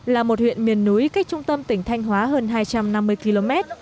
là một huyện miền núi cách trung tâm tỉnh thanh hóa hơn hai trăm năm mươi km